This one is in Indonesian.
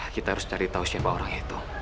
kita harus cari tau siapa orangnya itu